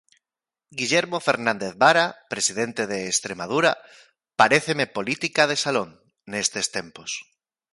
Guillermo Fernández Vara Presidente de Estremadura Paréceme política de salón, nestes tempos.